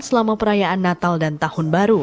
selama perayaan natal dan tahun baru